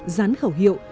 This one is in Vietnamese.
dán khẩu hiệu